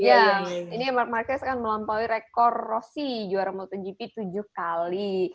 ya ini mark marquez kan melampaui rekor rossi juara motogp tujuh kali